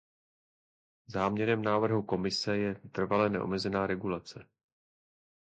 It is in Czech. Záměrem návrhu Komise je trvale neomezená regulace.